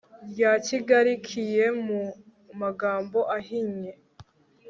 rya kigali kie mu magambo ahinnye